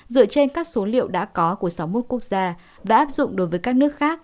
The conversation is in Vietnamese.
dựa trên các số liệu đã có của sáu mươi một quốc gia và áp dụng đối với các nước khác